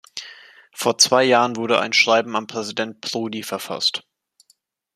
Vor zwei Jahren wurde ein Schreiben an Präsident Prodi verfasst.